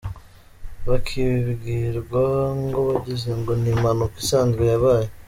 Bakibibwirwa ngo bagize ngo ni impanuka isanzwe yabaye.